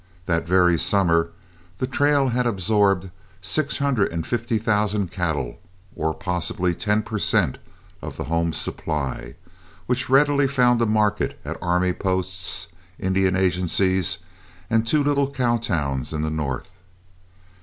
That very summer the trail had absorbed six hundred and fifty thousand cattle, or possibly ten per cent of the home supply, which readily found a market at army posts, Indian agencies, and two little cow towns in the North.